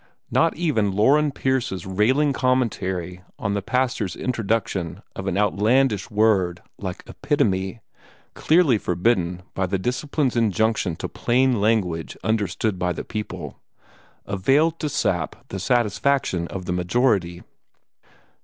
Not even Loren Pierce's railing commentary on the pastor's introduction of an outlandish word like "epitome" clearly forbidden by the Discipline's injunction to plain language understood of the people availed to sap the satisfaction of the majority.